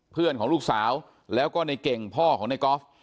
เพื่อนของลูกสาวแล้วก็ในเก่งพ่อของในกอล์ฟ